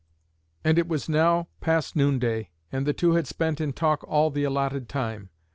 And it was now past noonday, and the two had spent in talk all the allotted time.